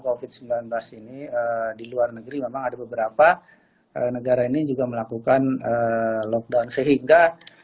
covid sembilan belas ini di luar negeri memang ada beberapa negara ini juga melakukan lockdown sehingga